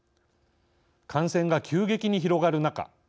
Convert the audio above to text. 感染が急激に広がる中